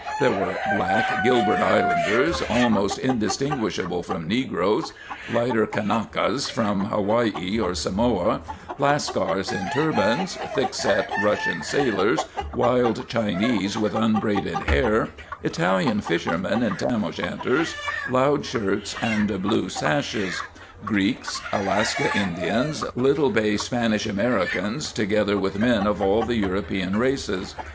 There were black Gilbert Islanders, almost indistinguishable from negroes; lighter Kanakas from Hawaii or Samoa; Lascars in turbans; thickset Russian sailors, wild Chinese with unbraided hair; Italian fishermen in tam o' shanters, loud shirts and blue sashes; Greeks, Alaska Indians, little bay Spanish Americans, together with men of all the European races.